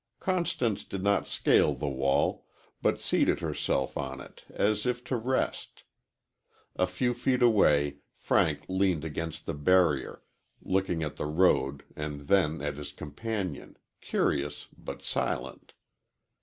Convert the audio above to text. Constance did not scale the wall, but seated herself on it as if to rest. A few feet away Frank leaned against the barrier, looking at the road and then at his companion, curious but silent.